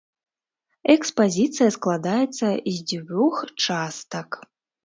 Экспазіцыя складаецца з дзвюх частак.